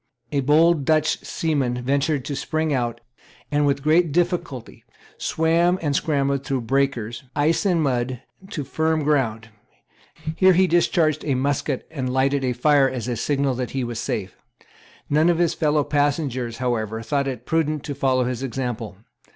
A bold Dutch seaman ventured to spring out, and, with great difficulty, swam and scrambled through breakers, ice and mud, to firm ground. Here he discharged a musket and lighted a fire as a signal that he was safe. None of his fellow passengers, however, thought it prudent to follow his example.